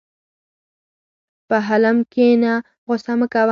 په حلم کښېنه، غوسه مه کوه.